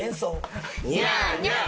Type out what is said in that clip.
ニャーニャー。